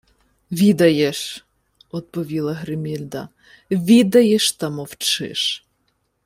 — Відаєш, — одповіла Гримільда. — Відаєш, та мовчиш.